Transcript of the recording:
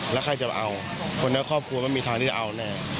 แล้วใครจะเอาคนในครอบครัวไม่มีทางที่จะเอาแน่